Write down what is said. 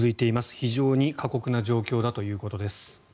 非常に過酷な状況だということです。